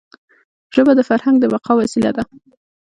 ژبه د فرهنګ د بقا وسیله ده.